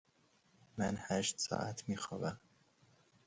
من هشت ساعت می خوابم